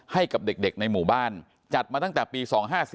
ให้กับเด็กในหมู่บ้านจัดมาตั้งแต่ปี๒๕๔